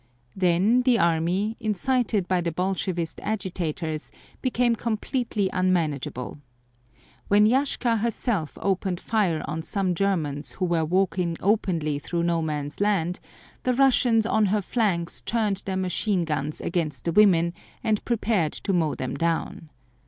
Then the army, incited by the Bolshevist agitators, became completely unmanageable. When Yashka herself opened fire on some Germans who were walking openly through No Man's Land, the Russians on her flanks turned their machine guns against the women and prepared to mow them down.